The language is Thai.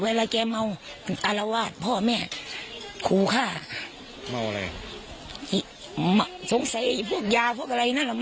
เวลาแกเมามันอารวาสพ่อแม่ขู่ฆ่าเมาอะไรสงสัยพวกยาพวกอะไรนั่นแหละ